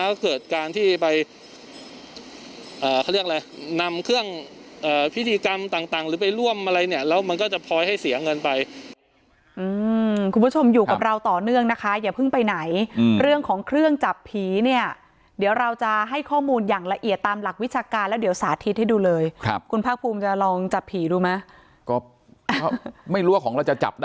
แล้วเกิดการที่ไปเขาเรียกอะไรนำเครื่องพิธีกรรมต่างหรือไปร่วมอะไรเนี่ยแล้วมันก็จะพลอยให้เสียเงินไปอืมคุณผู้ชมอยู่กับเราต่อเนื่องนะคะอย่าเพิ่งไปไหนเรื่องของเครื่องจับผีเนี่ยเดี๋ยวเราจะให้ข้อมูลอย่างละเอียดตามหลักวิชาการแล้วเดี๋ยวสาธิตให้ดูเลยครับคุณภาคภูมิจะลองจับผีดูไหมก็ไม่รู้ว่าของเราจะจับได้